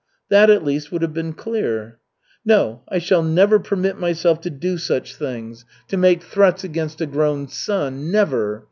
That, at least, would have been clear." "No, I shall never permit myself to do such things, to make threats against a grown son never!